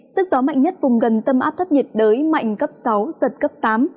sức gió mạnh nhất vùng gần tâm áp thấp nhiệt đới mạnh cấp sáu giật cấp tám